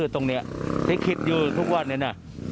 ตรงนี้ที่คิดอยู่ทุกวันนี้นะ